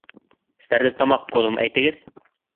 Стәрлетамаҡ кодын әйтегеҙ